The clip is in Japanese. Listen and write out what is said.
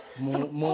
もう。